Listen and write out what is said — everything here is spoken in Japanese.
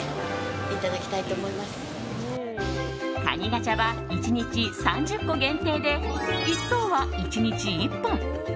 蟹ガチャは１日３０個限定で１等は１日１本。